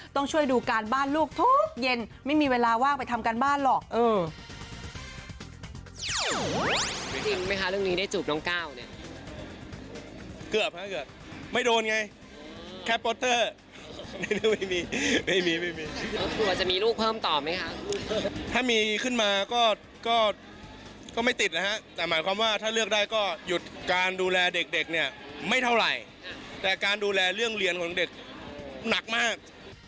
ต้องช่วยดูการบ้านลูกทุกเย็นไม่มีเวลาว่างไปทำการบ้านหรอก